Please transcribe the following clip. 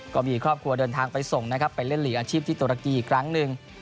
ก็มีครอบครัวเดินทางไปส่งนะครับไปเล่นหลีกอาชีพที่ตุรกีอีกครั้งหนึ่ง